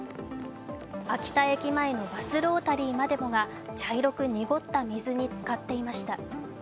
秋田駅前のバスロータリーまでもが茶色く濁った水につかっていました。